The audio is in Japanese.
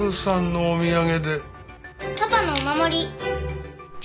パパのお守り。